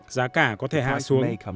giá cả có thể hạ xuống